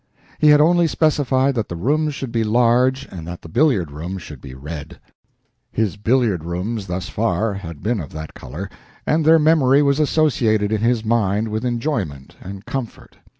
He had only specified that the rooms should be large and that the billiard room should be red. His billiard rooms thus far had been of that color, and their memory was associated in his mind with enjoyment and comfort.